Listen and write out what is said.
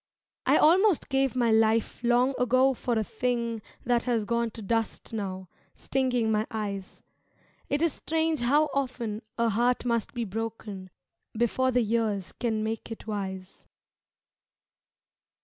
I almost gave my life long ago for a thing That has gone to dust now, stinging my eyes It is strange how often a heart must be broken Before the years can make it wise.